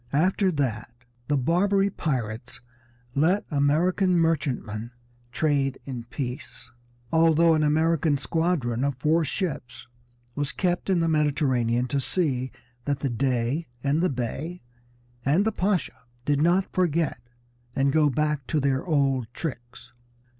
After that the Barbary pirates let American merchantmen trade in peace, although an American squadron of four ships was kept in the Mediterranean to see that the Dey, and the Bey, and the Pasha did not forget, and go back to their old tricks.